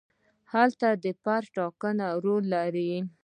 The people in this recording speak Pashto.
هلته د فرد ټاکنه رول نه لري.